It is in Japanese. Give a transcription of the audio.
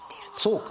そうか。